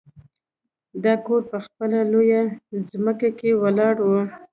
دا کور په خپله لویه ځمکه کې ولاړ و